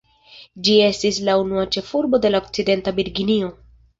Ĝi estis la unua ĉefurbo de Okcidenta Virginio.